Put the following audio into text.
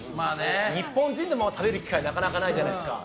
日本人でも食べる機会、なかなかないじゃないですか。